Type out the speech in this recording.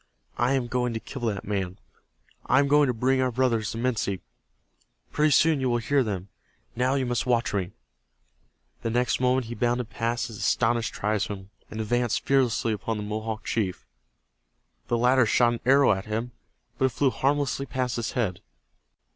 I am going to kill that man. I am going to bring our brothers, the Minsi. Pretty soon you will hear them. Now you must watch me." The next moment he bounded past his astonished tribesmen, and advanced fearlessly upon the Mohawk chief. The latter shot an arrow at him, but it flew harmlessly past his head.